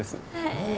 へえ。